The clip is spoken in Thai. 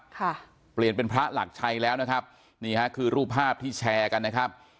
ค่ะเปลี่ยนเป็นพระหลักชัยแล้วนะครับนี่ฮะคือรูปภาพที่แชร์กันนะครับ